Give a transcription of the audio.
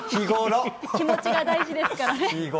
気持ちが大事ですからね。